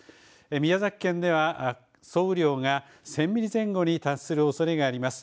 宮崎県では総雨量が１０００ミリ前後に達するおそれがあります。